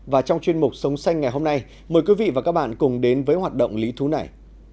và trong chuyên mục sống xanh ngày hôm nay mời quý vị và các bạn cùng đến với hoạt động lý thú này